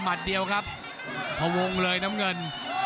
ภูตวรรณสิทธิ์บุญมีน้ำเงิน